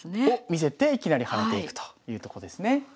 を見せていきなり変えていくというとこですね。